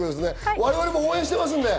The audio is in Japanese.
我々も応援していますので。